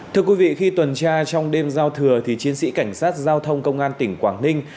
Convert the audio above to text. thưa quý vị khi tuần tra trong đêm giao thừa thì chiến sĩ cảnh sát giao thông công an tỉnh quảng ninh